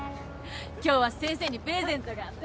今日は先生にプレゼントがあんだ。